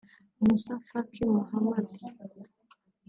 Moussa Faki Mahamat